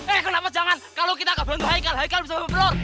eh kenapa jangan kalau kita gak bantu haikal haikal bisa memperol